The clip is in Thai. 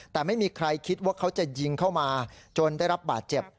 แต่ไม่มีใครคิดว่าเขาจะยิงเข้ามาจนได้รับบาดเจ็บ